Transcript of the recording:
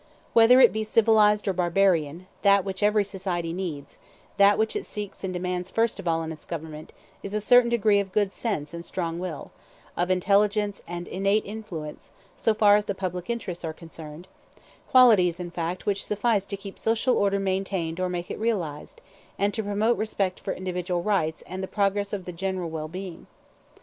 Whether it be civilized or barbarian, that which every society needs, that which it seeks and demands first of all in its government, is a certain degree of good sense and strong will, of intelligence and innate influence, so far as the public interests are concerned; qualities, in fact, which suffice to keep social order maintained or make it realized, and to promote respect for individual rights and the progress of the general well being.